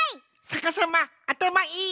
さかさまあたまいい！